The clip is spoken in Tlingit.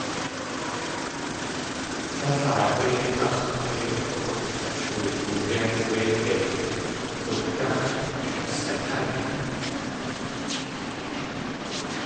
Tlél aadé áx̲ kei ux̲lishoowu yé wé dei, k̲údáx̲ shasatán.